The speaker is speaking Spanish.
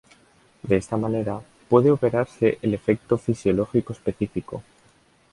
De esta manera, puede operarse el efecto fisiológico específico.